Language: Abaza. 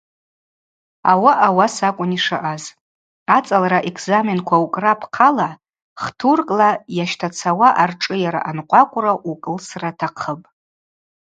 Ауаъа ауаса акӏвын йшаъаз: ацӏалра экзаменква укӏра апхъала хтуркӏла йащтацауа аршӏыйара анкъвакъвра укӏылсра атахъыпӏ.